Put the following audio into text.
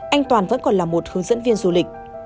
anh toàn vẫn còn là một hướng dẫn viên du lịch